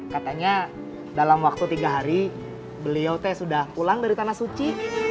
katanya dalam waktu tiga hari beliau teh sudah pulang dari tanah suci